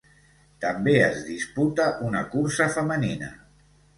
També es disputa una cursa femenina.